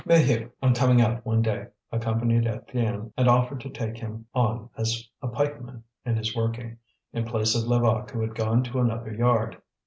Maheu, on coming out one day, accompanied Étienne and offered to take him on as a pikeman in his working, in place of Levaque who had gone to another yard.